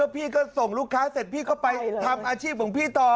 พี่ก็ส่งลูกค้าเสร็จพี่ก็ไปทำอาชีพของพี่ต่อ